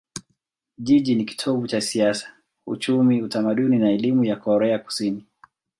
Jiji ni kitovu cha siasa, uchumi, utamaduni na elimu ya Korea Kusini.